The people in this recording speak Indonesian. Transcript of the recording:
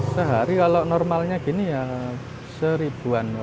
sehari kalau normalnya gini ya seribuan